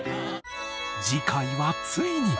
次回はついに。